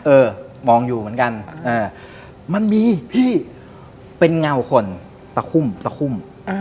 เออมองอยู่เหมือนกันมันมีพี่เป็นเงาคนตะคุ่มตะคุ่ม